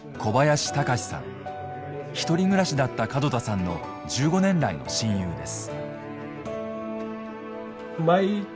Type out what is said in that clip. １人暮らしだった門田さんの１５年来の親友です。